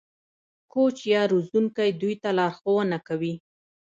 کوچ یا روزونکی دوی ته لارښوونه کوي.